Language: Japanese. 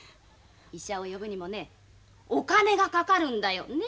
医者を呼ぶにもねお金がかかるんだよ。ね？